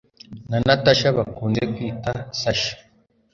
na Natasha bakunze kwita Sasha